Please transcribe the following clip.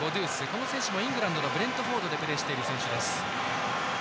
この選手もイングランドのブレントフォードでプレーしている選手です。